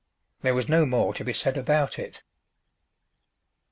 There was no more to be said about it.